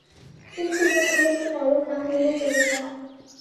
কিন্তু মন আর-একটু নরম না হইলে চলিবে না।